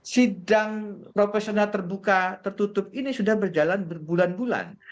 sidang profesional terbuka tertutup ini sudah berjalan berbulan bulan